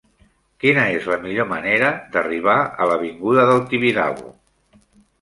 Quina és la millor manera d'arribar a l'avinguda del Tibidabo?